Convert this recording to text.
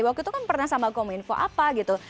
waktu itu kan pernah sama kominfo apa gitu